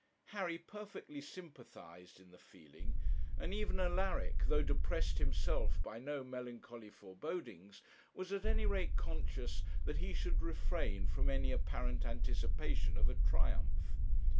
Harry perfectly sympathized in the feeling; and even Alaric, though depressed himself by no melancholy forebodings, was at any rate conscious that he should refrain from any apparent anticipation of a triumph.